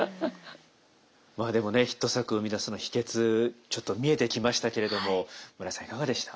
まあでもねヒット作を生み出す秘訣ちょっと見えてきましたけれども村井さんいかがでした？